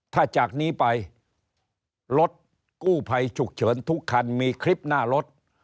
ถ้าจากนี้ไปรถกู้ภัยฉุกเฉินทุกคันมีคลิปหน้ารถ